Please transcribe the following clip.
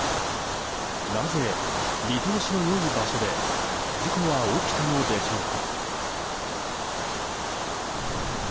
なぜ、見通しの良い場所で事故は起きたのでしょうか。